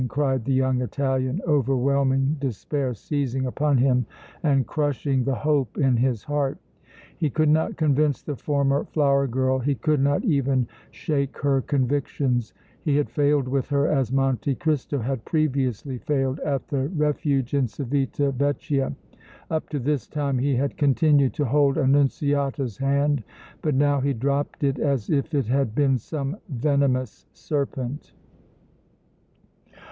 cried the young Italian, overwhelming despair seizing upon him and crushing the hope in his heart. He could not convince the former flower girl, he could not even shake her convictions! He had failed with her as Monte Cristo had previously failed at the Refuge in Civita Vecchia! Up to this time he had continued to hold Annunziata's hand, but now he dropped it as if it had been some venomous serpent.